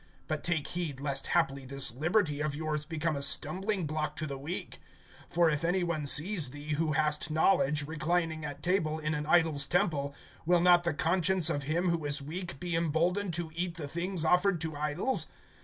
(9)But take heed, lest haply this liberty of yours become a stumbling block to the weak. (10)For if any one sees thee, who hast knowledge, reclining at table in an idol's temple, will not the conscience of him who is weak be emboldened to eat the things offered to idols?